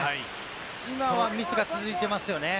今はミスが続いていますよね。